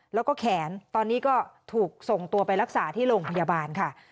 แล้วก็แขนตอนนี้ก็ถูกส่งตัวไปรักษาที่โรงพยาบาลค่ะ